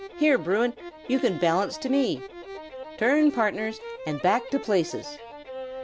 Here, Bruin! you can balance to me. Turn partners, and back to places!